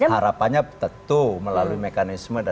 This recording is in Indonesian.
harapannya betul melalui mekanisme